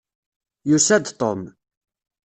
Yusa-d Tom.